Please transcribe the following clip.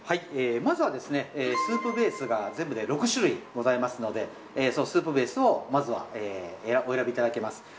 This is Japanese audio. まずはスープベースが全部で６種類ございますのでスープベースをまずはお選びいただきます。